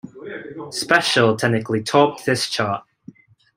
"Special" technically topped this chart.